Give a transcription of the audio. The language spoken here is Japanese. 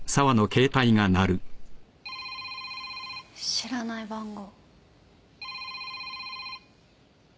知らない番号。